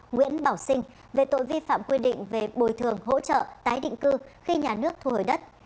nguyễn bảo sinh về tội vi phạm quy định về bồi thường hỗ trợ tái định cư khi nhà nước thu hồi đất